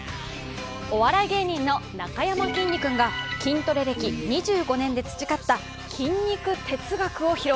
お笑い芸人のなかやまきんに君が筋トレ歴２５年で培った筋肉哲学を披露。